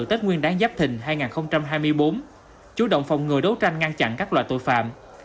tết nguyên đáng giáp thình hai nghìn hai mươi bốn chú động phòng ngừa đấu tranh ngăn chặn các loại tội phạm